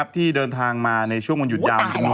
ที่เดินทางมาในช่วงวันหยุดยาว